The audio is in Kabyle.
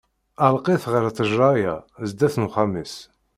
Ɛelleq-it ɣer ṭejra-ya, sdat n uxxam-is.